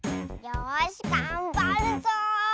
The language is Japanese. よしがんばるぞ！